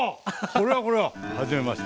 これはこれははじめまして！